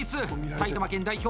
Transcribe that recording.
埼玉県代表